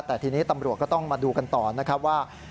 แต่ทีนี้ตำรวจก็ต้องมาดูกันต่อนะครับว่า